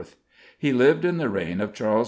He lived in the reign of Charles II.